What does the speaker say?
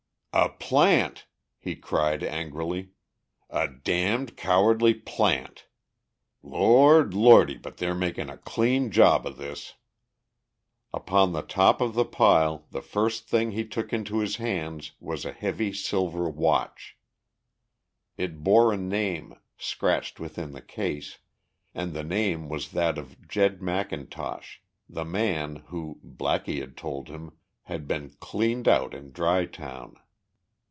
"A plant!" he cried angrily. "A damned cowardly plant! Lord, Lordy, but they're making a clean job of this!" Upon the top of the pile, the first thing he took into his hands, was a heavy silver watch. It bore a name, scratched within the case, and the name was that of Jed MacIntosh, the man who, Blackie had told him, had been "cleaned out" in Dry Town.